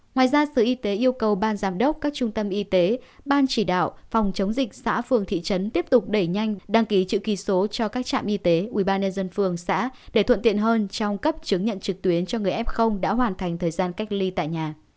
ngoài ra sở y tế yêu cầu ban giám đốc các trung tâm y tế ban chỉ đạo phòng chống dịch xã phường thị trấn tiếp tục đẩy nhanh đăng ký chữ ký số cho các trạm y tế ubnd phường xã để thuận tiện hơn trong cấp chứng nhận trực tuyến cho người f đã hoàn thành thời gian cách ly tại nhà